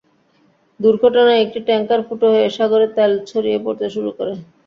দুর্ঘটনায় একটি ট্যাংকার ফুটো হয়ে সাগরে তেল ছড়িয়ে পড়তে শুরু করে।